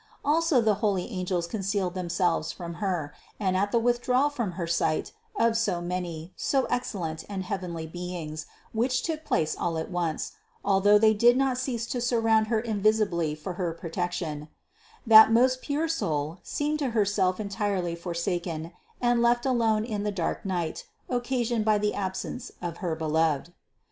Also the holy angels concealed themselves from Her, and at the withdrawal from her sight of so many, so excellent and heavenly beings, which took place all at once (although they did not cease to surround Her invisibly for her protection) , that most pure Soul seemed to Her self entirely forsaken and left alone in the dark night occasioned by the absence of her Beloved.